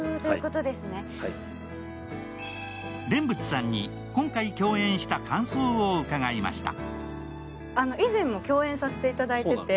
蓮佛さんに、今回共演した感想を伺いました。